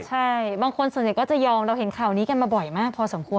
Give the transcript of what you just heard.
ใช่บางคนส่วนใหญ่ก็จะยอมเราเห็นข่าวนี้กันมาบ่อยมากพอสมควร